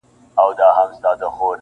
خو تر لمر یو حقیقت راته روښان دی-